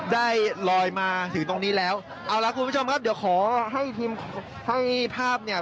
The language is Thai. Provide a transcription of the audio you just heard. ได้ลอยมาถึงตรงนี้แล้วเอาล่ะคุณผู้ชมครับเดี๋ยวขอให้ทีมให้ภาพเนี่ย